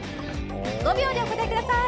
５秒でお答えください。